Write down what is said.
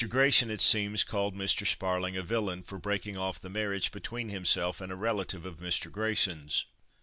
Grayson, it seems, called Mr. Sparling "a villain," for breaking off the marriage between himself and a relative of Mr. Grayson's.